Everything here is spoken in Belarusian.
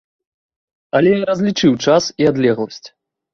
Але я разлічыў час і адлегласць.